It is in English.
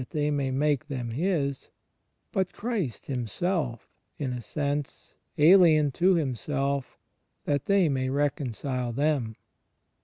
hey may make them His, but Christ Himself, in a sense, alien to Himself, that they may reconcile them.